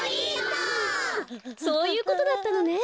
そういうことだったのね。